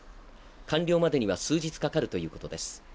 完了までには数日かかるということです。